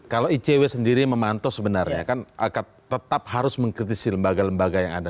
kalau icw sendiri memantau sebenarnya kan tetap harus mengkritisi lembaga lembaga yang ada